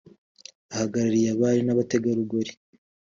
Uhagarariye Abari n Abategarugori